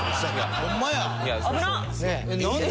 ホンマや！